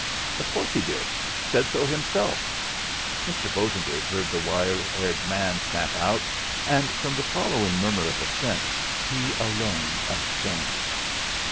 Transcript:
"Of course he did said so himself," Mr. Bosengate heard the wire haired man snap out, and from the following murmur of assent he alone abstained.